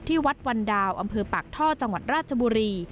ที่วัดวันดาวอำเภอปากท่อจังหวัดราชบุรี